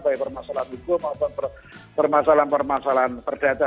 baik permasalahan hukum maupun permasalahan permasalahan perdata